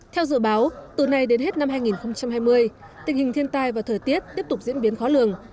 theo dự báo từ nay đến hết năm hai nghìn hai mươi tình hình thiên tai và thời tiết tiếp tục diễn biến khó lường